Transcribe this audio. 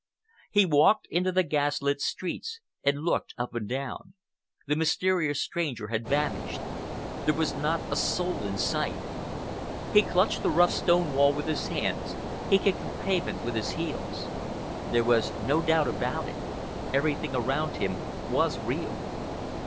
He walked into the gaslit streets and looked up and down. The mysterious stranger had vanished. There was not a soul in sight. He clutched the rough stone wall with his hands, he kicked the pavement with his heels. There was no doubt about it—everything around him was real.